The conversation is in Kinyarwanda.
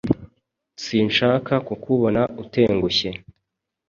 Sinshaka kukubona utengushye.